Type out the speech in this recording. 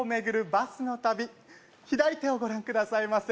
バスの旅左手をご覧くださいませ